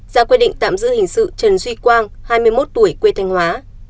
ra quyết định tạm giữ hình sự trần duy quang hai mươi một tuổi quê thanh hóa